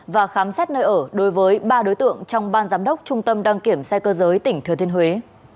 và khám xét nơi ở đối với ba đối tượng trong ban giám đốc trung tâm đăng kiểm xe cơ giới tỉnh thừa thiên huế